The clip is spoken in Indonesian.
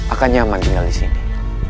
akan nyaman tinggal disini